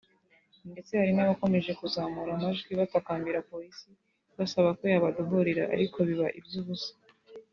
ndetse hari n’abakomeje kuzamura amajwi batakambira Polisi basaba ko yabadohorera ariko biba iby’ubusa